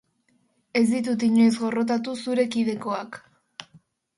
Ez ditut inoiz gorrotatu zure kidekoak.